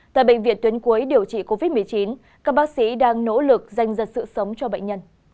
tại bệnh viện tuyến cuối điều trị covid một mươi chín các bác sĩ đang nỗ lực dành ra sự sống cho bệnh nhân